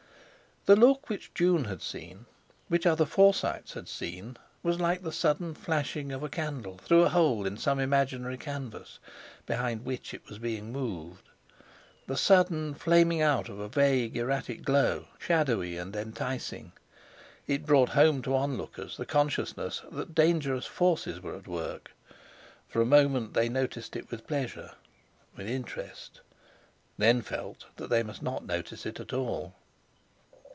The look which June had seen, which other Forsytes had seen, was like the sudden flashing of a candle through a hole in some imaginary canvas, behind which it was being moved—the sudden flaming out of a vague, erratic glow, shadowy and enticing. It brought home to onlookers the consciousness that dangerous forces were at work. For a moment they noticed it with pleasure, with interest, then felt they must not notice it at all.